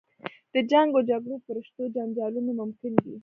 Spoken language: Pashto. د جنګ و جګړو په رشتو جنجالونه ممکن دي.